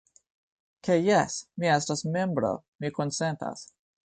Ke jes, mi estas membro, mi konsentas.